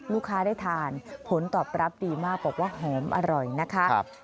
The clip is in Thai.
ลูกค้าได้ทานผลตอบรับดีมากบอกว่าหอมอร่อยนะคะ